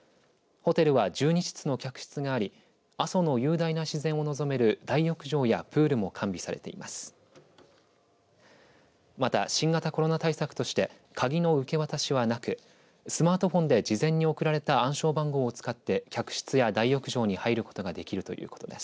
ホテルは１２室の客室があり阿蘇の雄大な自然を望める大浴場やプールも完備されています。